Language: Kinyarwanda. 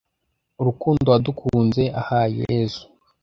urukundo wadukunze, ah yezu